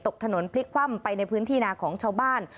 ตกถนนพลิกคว่ำไปในพื้นที่นาของชาวบ้าน